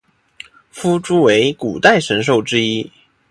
夫诸为古代神兽之一。